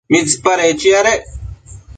¿mitsipadec chiadec